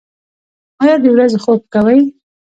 ایا د ورځې خوب کوئ؟